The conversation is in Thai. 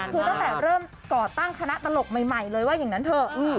คือตั้งแต่เริ่มก่อตั้งคณะตลกใหม่เลยว่าอย่างนั้นเถอะ